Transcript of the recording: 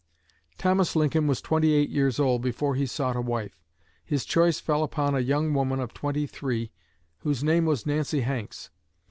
Thomas Lincoln was twenty eight years old before he sought a wife. His choice fell upon a young woman of twenty three whose name was Nancy Hanks.